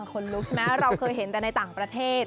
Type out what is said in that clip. คนลุกใช่ไหมเราเคยเห็นแต่ในต่างประเทศ